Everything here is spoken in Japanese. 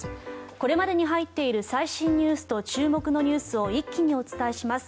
これまでに入っている最新ニュースと注目のニュースを一気にお伝えします。